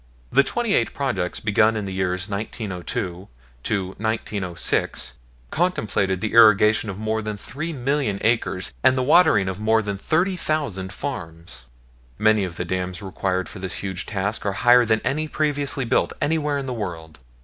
The twenty eight projects begun in the years 1902 to 1906 contemplated the irrigation of more than three million acres and the watering of more than thirty thousand farms. Many of the dams required for this huge task are higher than any previously built anywhere in the world.